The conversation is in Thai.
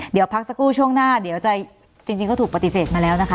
เดี๋ยวพักสักครู่ช่วงหน้าเดี๋ยวจะจริงก็ถูกปฏิเสธมาแล้วนะคะ